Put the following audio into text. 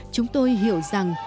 chúng tôi hiểu rằng